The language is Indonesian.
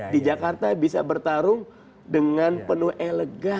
di jakarta bisa bertarung dengan penuh elegan